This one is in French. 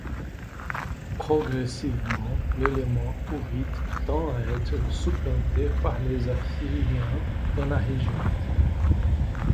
Progressivement, l'élément hourrite tend à être supplanté par les Assyriens dans la région.